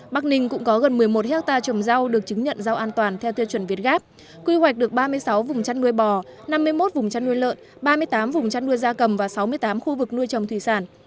bắc ninh cũng có gần một mươi một hectare trồng rau được chứng nhận rau an toàn theo tiêu chuẩn việt gáp quy hoạch được ba mươi sáu vùng trăn nuôi bò năm mươi một vùng chăn nuôi lợn ba mươi tám vùng chăn nuôi da cầm và sáu mươi tám khu vực nuôi trồng thủy sản